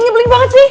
nyebelin banget sih